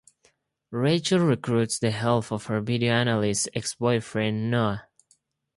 Rachel recruits the help of her video analyst ex-boyfriend Noah.